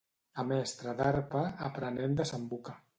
A mestre d'arpa, aprenent de sambuca.